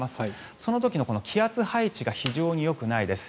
その時の気圧配置が非常によくないです。